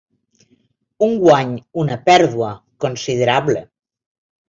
Un guany, una pèrdua, considerable.